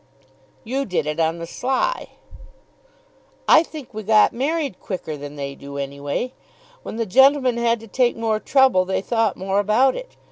"You did it on the sly." "I think we got married quicker than they do, any way. When the gentlemen had to take more trouble they thought more about it.